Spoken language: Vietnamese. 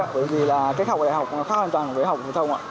bởi vì cách học ở đại học khác hoàn toàn với học của thông